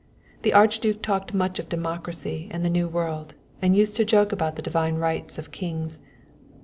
The Archduke talked much of democracy and the New World, and used to joke about the divine right of kings.